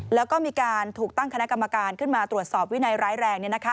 แล้วก็มีการถูกตั้งคณะกรรมการขึ้นมาตรวจสอบวินัยร้ายแรง